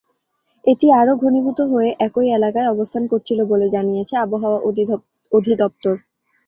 এটি আরও ঘনীভূত হয়ে একই এলাকায় অবস্থান করছিল বলে জানিয়েছে আবহাওয়া অধিদপ্তর।